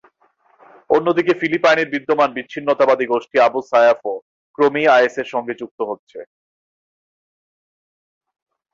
অন্যদিকে ফিলিপাইনের বিদ্যমান বিচ্ছিন্নতাবাদী গোষ্ঠী আবু সায়াফও ক্রমেই আইএসের সঙ্গে যুক্ত হচ্ছে।